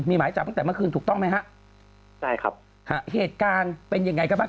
มีหมายจับตั้งแต่เมื่อคืนถูกต้องไหมฮะใช่ครับฮะเหตุการณ์เป็นยังไงกันบ้าง